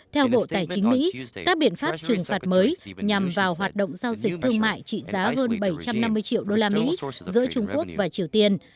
theo bộ tài chính mỹ các biện pháp trừng phạt mới nhằm vào hoạt động giao dịch thương mại trị giá hơn bảy trăm năm mươi triệu đô la mỹ giữa trung quốc và triều tiên